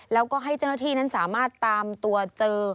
แล้วก็ให้เจ้าหน้าที่นั้นสามารถตามตัวเจอ